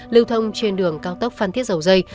lưu thông trên đường cao tốc phan thiết dầu dây